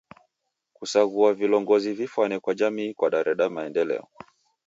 Kusaghua vilongozi vifwane kwa jamii kwadareda maendeleo.